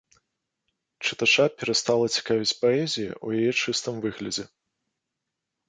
Чытача перастала цікавіць паэзія ў яе чыстым выглядзе.